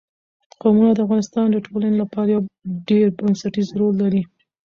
قومونه د افغانستان د ټولنې لپاره یو ډېر بنسټيز رول لري.